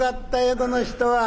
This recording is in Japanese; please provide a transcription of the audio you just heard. この人は。